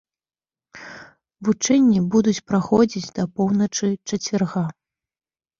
Вучэнні будуць праходзіць да паўночы чацвярга.